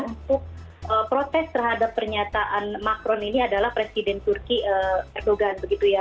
untuk protes terhadap pernyataan macron ini adalah presiden turki erdogan